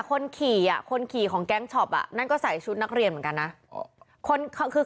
คนขี่ของแก๊งช็อปนั่นก็ใส่ชุดนักเรียนเหมือนกันนะ